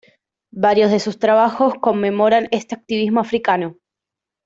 Varios de sus trabajos conmemoran este activismo africano.